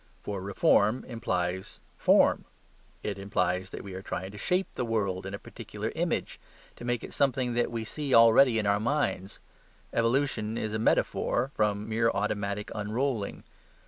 For reform implies form. It implies that we are trying to shape the world in a particular image; to make it something that we see already in our minds. Evolution is a metaphor from mere automatic unrolling.